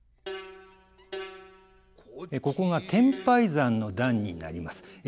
ここが「天拝山の段」になります。